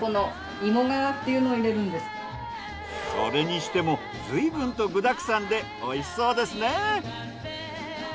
それにしてもずいぶんと具だくさんでおいしそうですね。